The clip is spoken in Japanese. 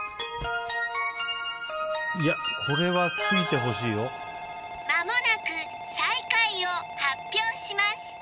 いやこれは過ぎてほしいよまもなく最下位を発表します